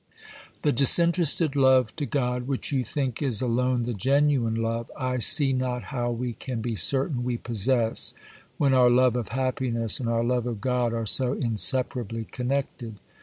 'The disinterested love to God, which you think is alone the genuine love, I see not how we can be certain we possess, when our love of happiness and our love of God are so inseparably connected.